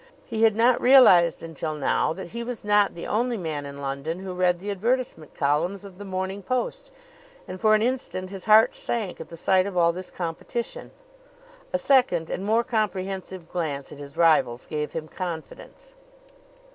He had not realized until now that he was not the only man in London who read the advertisement columns of the Morning Post, and for an instant his heart sank at the sight of all this competition. A second and more comprehensive glance at his rivals gave him confidence.